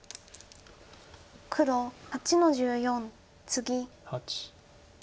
黒８の十四ツギ。